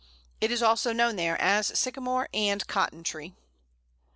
(It is also known there as Sycamore and Cotton tree.)